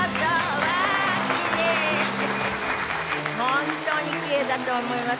本当にきれいだと思います。